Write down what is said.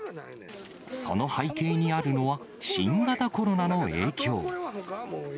その背景にあるのは、新型コロナの影響。